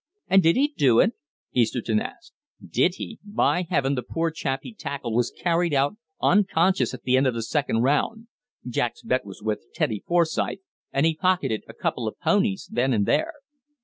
"And did he do it?" Easterton asked. "Did he? By heaven, the poor chap he tackled was carried out unconscious at the end of the second round Jack's bet was with Teddy Forsyth, and he pocketed a couple of ponies then and there."